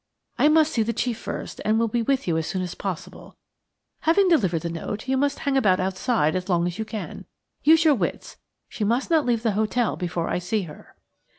I must see the chief first, and will be with you as soon as possible. Having delivered the note, you must hang about outside as long as you can. Use your wits; she must not leave the hotel before I see her."